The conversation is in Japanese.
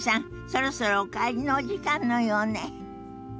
そろそろお帰りのお時間のようね。